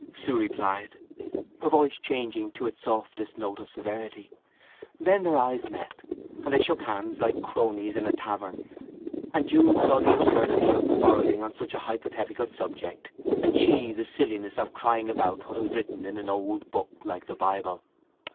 Sue replied, her voice changing to its softest note of severity. Then their eyes met, and they shook hands like cronies in a tavern, and Jude saw the absurdity of quarrelling on such a hypothetical subject, and she the silliness of crying about what was written in an old book like the Bible.